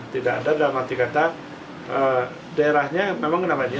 tidak ada dalam arti kata daerahnya memang kenapa ini